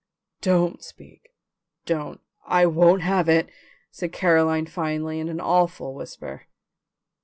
"Don't speak, don't, I won't have it!" said Caroline finally in an awful whisper.